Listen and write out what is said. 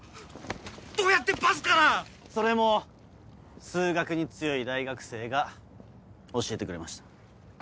どうやってバスから⁉それも数学に強い大学生が教えてくれました。